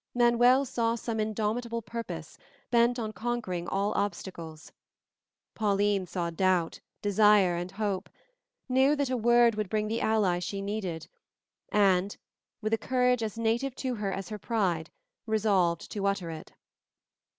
Manuel saw some indomitable purpose, bent on conquering all obstacles. Pauline saw doubt, desire, and hope; knew that a word would bring the ally she needed; and, with a courage as native to her as her pride, resolved to utter it.